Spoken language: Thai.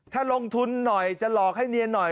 ถ้าลงทุนหน่อยจะหลอกให้เนียนหน่อย